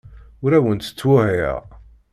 Ur awent-ttwehhiɣ.